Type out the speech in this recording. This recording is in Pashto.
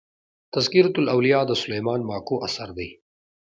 "تذکرةالاولیا" د سلیمان ماکو اثر دﺉ.